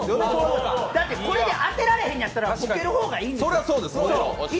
だって、これで当てられへんのやったら、ボケる方がいい。